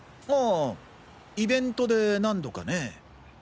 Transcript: ああイベントで何度かね。